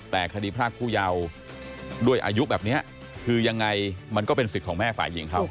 แต่คดีพรากผู้เยาว์ด้วยอายุแบบนี้คือยังไงมันก็เป็นสิทธิ์ของแม่ฝ่ายหญิงเขา